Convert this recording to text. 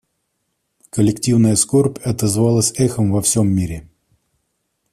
Коллективная скорбь отозвалась эхом во всем мире.